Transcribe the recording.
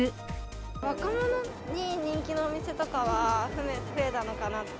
若者に人気のお店とかは増えたのかな。